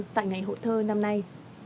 tại ngày hộ thơ năm nay